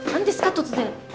突然。